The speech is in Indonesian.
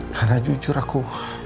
karena jujur aku